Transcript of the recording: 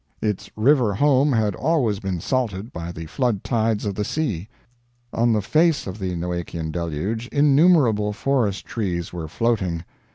Its river home had always been salted by the flood tides of the sea. On the face of the Noachian deluge innumerable forest trees were floating.